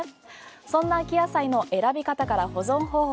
そんな秋野菜の選び方から保存方法。